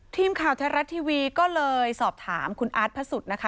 ทีมข่าวไทยรัฐทีวีก็เลยสอบถามคุณอาร์ตพระสุทธิ์นะคะ